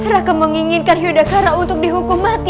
raka menginginkan yudakara untuk dihukum mati